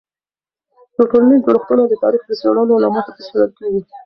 د ټولنیز جوړښتونه د تاریخ د څیړنو له مخې څیړل کېږي.